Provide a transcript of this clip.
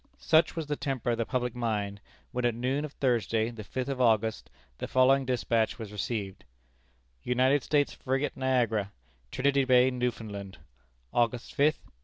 Such was the temper of the public mind, when at noon of Thursday, the fifth of August, the following despatch was received: "United States Frigate Niagara, Trinity Bay, Newfoundland, August 5, 1858.